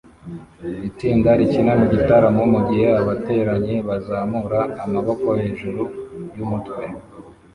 Itsinda rikina mu gitaramo mugihe abateranye bazamura amaboko hejuru yumutwe